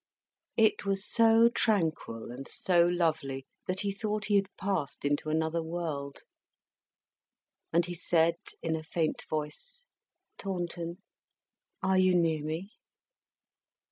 It was so tranquil and so lovely that he thought he had passed into another world. And he said in a faint voice, "Taunton, are you near me?"